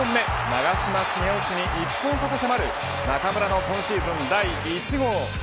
長嶋茂雄氏に１本差とせまる中村の今シーズン第１号。